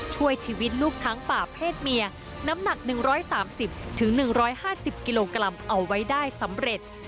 ช่วยชีวิตลูกช้างป่าเพศเมียน้ำหนัก๑๓๐๑๕๐กิโลกรัมเอาไว้ได้สำเร็จ